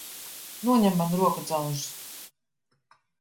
Noņem man rokudzelžus!